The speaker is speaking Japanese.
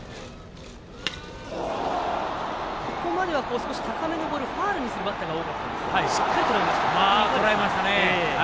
ここまでは少し高めのボールファウルにするバッターが多かったんですがしっかりとらえました。